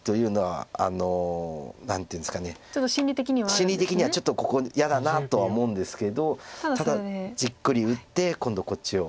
心理的にはちょっとここ嫌だなとは思うんですけどただじっくり打って今度こっちを。